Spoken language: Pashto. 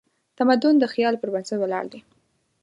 تمدن د خیال پر بنسټ ولاړ دی.